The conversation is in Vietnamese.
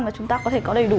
mà chúng ta có thể có đầy đủ